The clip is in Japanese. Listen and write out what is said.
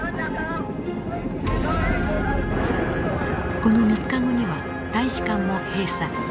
この３日後には大使館も閉鎖。